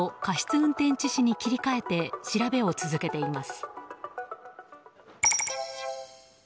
運転致死に切り替えて調べを続けています。